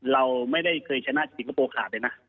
เราไม่ได้เคยชนะสิงคโปร์ขาดเลยนะ